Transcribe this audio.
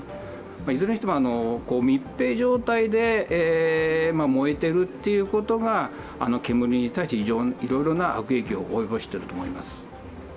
いずれにしても密閉状態で燃えていることが煙に対していろいろな悪影響を及ぼしていると思います。